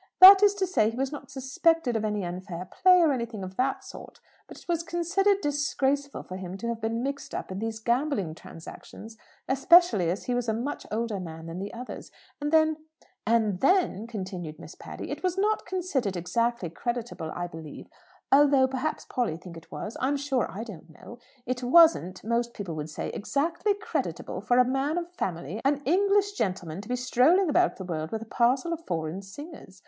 "That is to say, he was not suspected of any unfair play, or anything of that sort; but it was considered disgraceful for him to have been mixed up in these gambling transactions; especially as he was a much older man than the others. And then " "And then," continued Miss Patty, "it was not considered exactly creditable, I believe although perhaps Polly thinks it was; I'm sure I don't know, it wasn't, most people would say, exactly creditable for a man of family, an English gentleman, to be strolling about the world with a parcel of foreign singers.